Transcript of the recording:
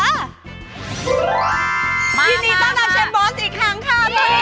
ยินดีต้อนรับเชฟบอสอีกครั้งค่ะ